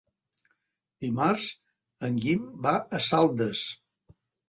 Dimarts en Guim va a Saldes.